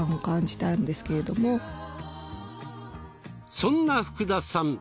そんな福田さん